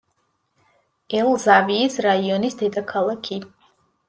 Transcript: ელ-ზავიის რაიონის დედაქალაქი.